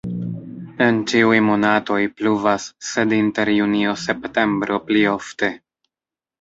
En ĉiuj monatoj pluvas, sed inter junio-septembro pli ofte.